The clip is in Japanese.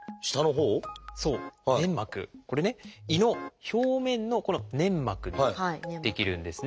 これね胃の表面のこの粘膜に出来るんですね。